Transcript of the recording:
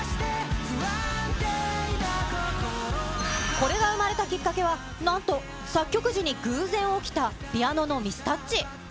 これが生まれたきっかけは、なんと作曲時に偶然起きたピアノのミスタッチ。